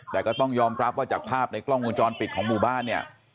แต่ก็ต้องยอมรับว่าจากภาพในกล้องวงจรปิดของหมู่บ้านเนี่ย